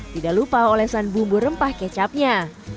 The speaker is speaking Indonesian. tidak lupa olesan bumbu rempah kecapnya